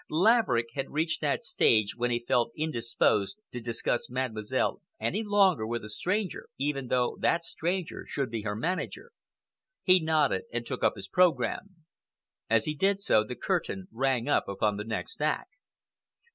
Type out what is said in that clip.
Laverick had reached that stage when he felt indisposed to discuss Mademoiselle any longer with a stranger, even though that stranger should be her manager. He nodded and took up his programme. As he did so, the curtain rang up upon the next act.